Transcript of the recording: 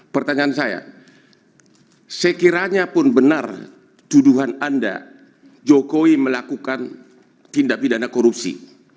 pertanyaan saya sekiranya pun benar tuduhan anda jokowi melakukan tindak pidana korupsi